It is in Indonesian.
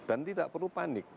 dan tidak perlu panik